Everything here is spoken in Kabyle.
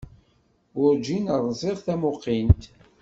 Warǧin ṛziɣ tamuqint.